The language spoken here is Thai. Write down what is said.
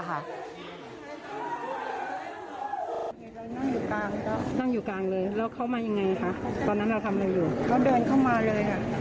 ไอ้เธอเฉยแล้วฟักปืนขึ้นมาเลย